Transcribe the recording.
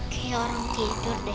kayak orang tidur deh